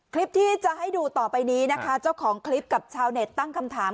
คลิปที่จะให้ดูต่อไปนี้นะคะเจ้าของคลิปกับชาวเน็ตตั้งคำถาม